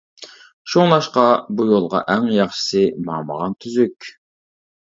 شۇڭلاشقا، بۇ يولغا ئەڭ ياخشىسى ماڭمىغان تۈزۈك.